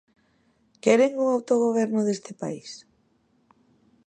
¿Queren o autogoberno deste país?